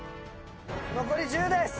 残り１０です！